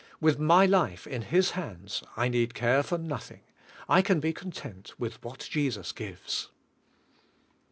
With my life in His hands, I need care for nothing. I can be content with what Jesus gives.